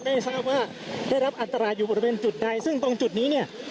ได้ทราบว่าได้รับอันตรายอยู่บริเวณจุดใดซึ่งตรงจุดนี้เนี่ย